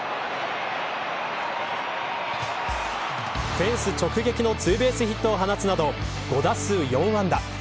フェンス直撃のツーベースヒットを放つなど５打数４安打。